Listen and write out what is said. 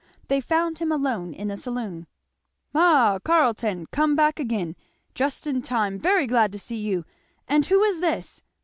The found him alone in the saloon. "Ha! Carleton come back again. Just in time very glad to see you. And who is this?